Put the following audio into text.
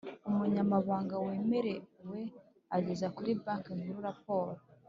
umunyamabanga wemewe ageza kuri Banki Nkuru raporo